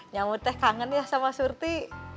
nyamu teh kangen ya sama surti